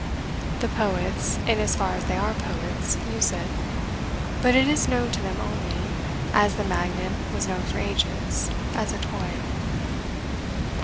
The poets, in as far as they are poets, use it; but it is known to them only, as the magnet was known for ages, as a toy.